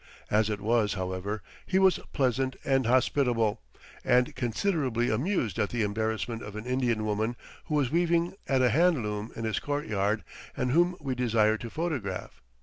As it was, however, he was pleasant and hospitable, and considerably amused at the embarrassment of an Indian woman who was weaving at a hand loom in his courtyard and whom we desired to photograph.